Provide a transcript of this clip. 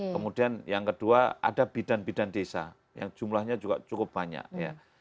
kemudian yang kedua ada bidan bidan desa yang jumlahnya juga cukup banyak ya